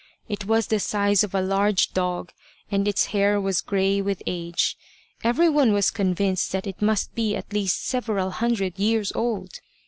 It was the size of a large dog, and its hair was grey with age. Everyone was convinced that it must be at least several hundred years old.